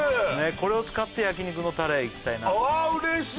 これを使って焼肉のタレいきたいなと思います